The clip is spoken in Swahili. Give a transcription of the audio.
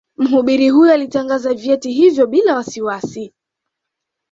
Mhubiri huyo alitangaza vyeti hivyo bila wasiwasi